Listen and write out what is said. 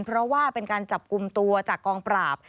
เพราะว่าเป็นการจับกลุ่มตัวจากกองปราบ